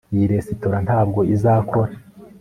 Iyi resitora ntabwo izakora